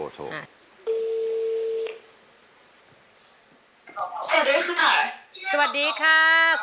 โทรหาคนรู้จัก